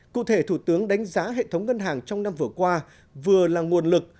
cụ thể thủ tướng đánh giá hệ thống ngân hàng trong năm vừa qua vừa là nguồn lực